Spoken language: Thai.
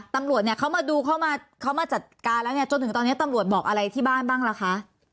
ตำรวจเนี่ยเขามาดูเขามาจัดการแล้วเนี่ยจนถึงตอนนี้ตำรวจบอกอะไรที่บ้านบ้างล่ะคะ